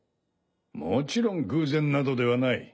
もちろん偶然などではない。